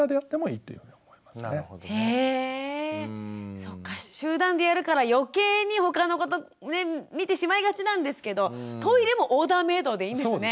そっか集団でやるから余計に他の子と見てしまいがちなんですけどトイレもオーダーメイドでいいんですね。